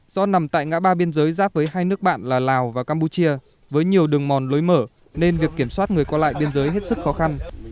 do nằm tại ngã ba biên giới giáp với hai nước bạn lào và campuchia với nhiều đường mòn lối mở nên việc kiểm soát người qua lại biên giới hết sức khó khăn